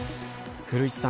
古市さん